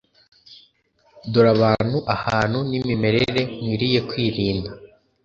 Dore abantu ahantu n imimerere nkwiriye kwirinda